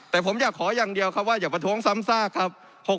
แต่ผมอยากขออย่างเดียวครับว่าอย่าประท้วงซ้ำซากครับ